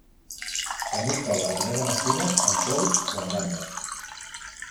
També es troba de manera massiva, en pols o en bandes.